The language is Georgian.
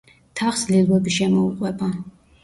თაღს ლილვები შემოუყვება.